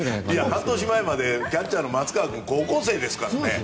半年前までキャッチャーの松川君は高校生ですからね。